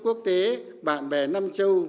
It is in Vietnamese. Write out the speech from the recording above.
quốc tế bạn bè nam châu